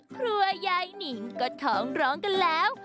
คุณยายหนิงก็ท้องร้องกันแล้ว